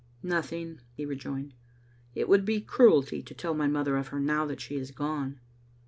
" Nothing," he rejoined. " It would be cruelty to tell my mother of her now that she is gone.